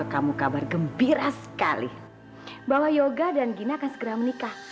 kamu kabar gembira sekali bahwa yoga dan gina akan segera menikah